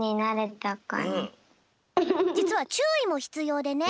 じつはちゅういもひつようでね